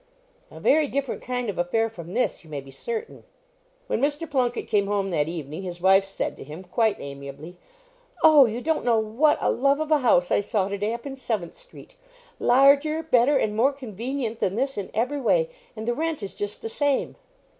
"A very different kind of an affair from this, you may be certain." When Mr. Plunket came home that evening, his wife said to him, quite amiably "Oh, you don't know what, a love of a house I saw to day up in Seventh street; larger, better, and more convenient than this in every way, and the rent is just the same."